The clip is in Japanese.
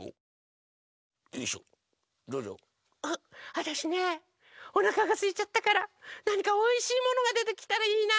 わたしねおなかがすいちゃったからなにかおいしいものがでてきたらいいな。